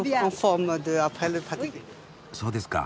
そうですか。